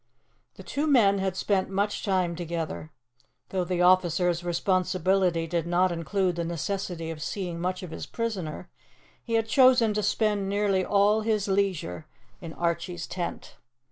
The two men had spent much time together. Though the officer's responsibility did not include the necessity of seeing much of his prisoner, he had chosen to spend nearly all his leisure in Archie's tent.